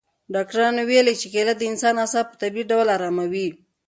ډاکټرانو ویلي چې کیله د انسان اعصاب په طبیعي ډول اراموي.